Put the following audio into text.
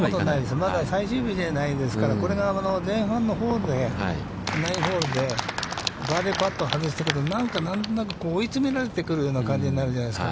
まだ最終日じゃないですから、これが前半のホールで９ホールでバーディーパットを外していくとなんか何となく追い詰められてくる感じになるじゃないですか。